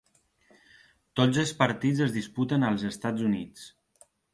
Tots els partits es disputen als Estats Units.